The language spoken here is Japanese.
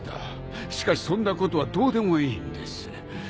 しかしそんなことはどうでもいいんです。